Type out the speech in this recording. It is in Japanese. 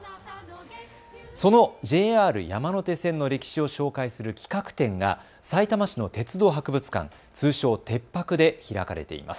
そのＪＲ山手線の歴史を紹介する企画展が、さいたま市の鉄道博物館、通称てっぱくで開かれています。